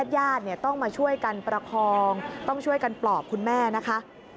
ญาติต้องมาช่วยกันประคองต้องช่วยกันปลอบคุณแม่นะคะ